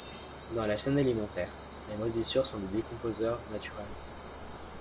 Dans la chaîne alimentaire, les moisissures sont des décomposeurs naturels.